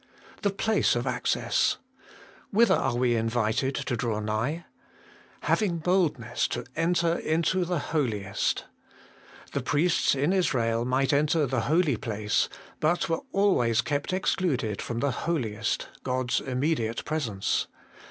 The place of access. Whither are we invited to draw nigh ?' Having boldness to enter into the Holiest' The priests in Israel might enter the holy place, but were always kept excluded from the Holiest, God's immediate presence.